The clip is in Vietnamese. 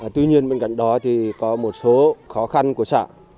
tuy nhiên bên cạnh đó thì có một số khó khăn của xã